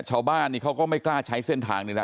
ชาวบ้านเขาก็ไม่กล้าใช้เส้นทางเลยนะ